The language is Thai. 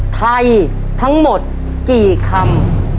ไทยทั้งหมดกี่คำ